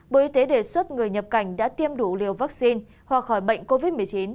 bộ y tế đề xuất người nhập cảnh đã tiêm đủ liều vaccine hoặc khỏi bệnh covid một mươi chín